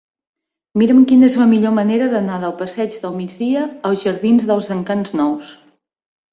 Mira'm quina és la millor manera d'anar del passeig del Migdia als jardins dels Encants Nous.